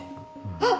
あっ！